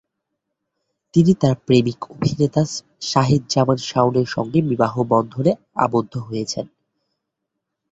তিনি তার প্রেমিক অভিনেতা সায়েদ জামান শাওন-এর সঙ্গে বিবাহ বন্ধনে আবদ্ধ হয়েছেন।